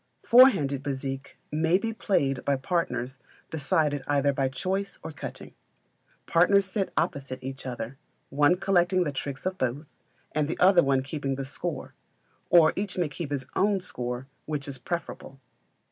Four handed Bezique may be played by partners decided either by choice or cutting. Partners sit opposite each other, one collecting the tricks of both, and the other keeping the score, or each may keep his own score, which is preferable.